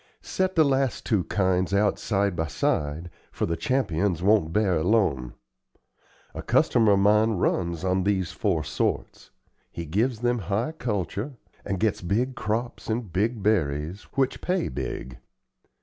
Set the last two kinds out side by side, for the Champions won't bear alone. A customer of mine runs on these four sorts. He gives them high culture, and gets big crops and big berries, which pay big.